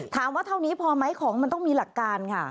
เท่านี้พอไหมของมันต้องมีหลักการค่ะ